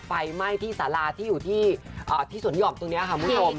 ไฟไหม้ที่สาราที่อยู่ที่สวนหย่อมตรงนี้ค่ะคุณผู้ชม